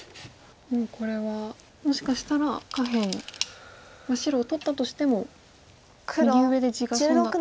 もうこれはもしかしたら下辺白を取ったとしても右上で地が損だと。